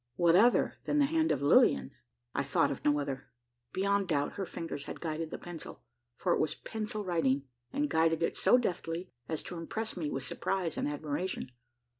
What other than the hand of Lilian? I thought of no other. Beyond doubt, her fingers had guided the pencil for it was pencil writing and guided it so deftly, as to impress me with surprise and admiration.